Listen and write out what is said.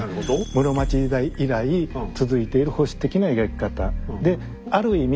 室町時代以来続いている保守的な描き方である意味